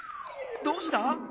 どうした？